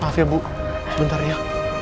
maaf ya bu sebentar ya